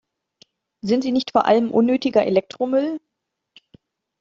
Sind sie nicht vor allem unnötiger Elektromüll?